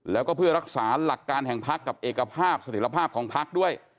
แล้วก็เพื่อรักษาหลักการแห่งพักกับเอกภาพสถิตภาพของพักด้วย